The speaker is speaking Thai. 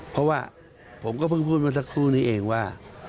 เพราะว่าผมก็เพิ่งพูดเมื่อสักครู่นี้เองว่า